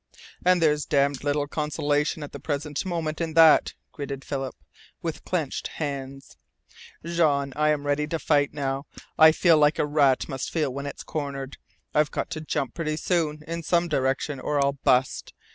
"And there's damned little consolation at the present moment in that," gritted Philip, with clenched hands. "Jean I'm ready to fight now! I feel like a rat must feel when it's cornered. I've got to jump pretty soon in some direction or I'll bust.